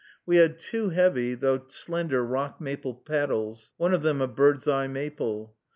We had two heavy, though slender, rock maple paddles, one of them of bird's eye maple.